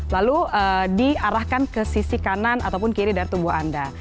lalu diarahkan ke sisi kanan ataupun kiri dari tubuh anda